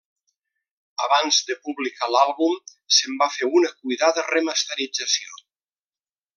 Abans de publicar l'àlbum, se'n va fer una cuidada remasterització.